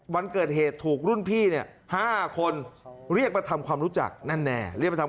วันเกิดเหตุถูกรุ่นพี่เนี่ย๕คนเรียกมาทำความรู้จักนั่นแน่